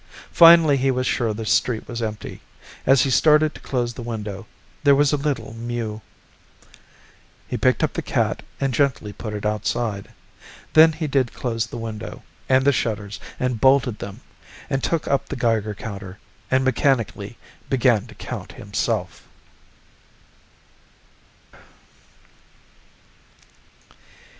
Finally he was sure the street was empty. As he started to close the window, there was a little mew. He picked up the cat and gently put it outside. Then he did close the window, and the shutters, and bolted them, and took up the Geiger counter, and mechanically began to count himself.